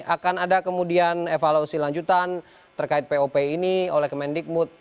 akan ada kemudian evaluasi lanjutan terkait pop ini oleh kemendikbud